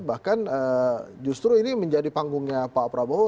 bahkan justru ini menjadi panggungnya pak prabowo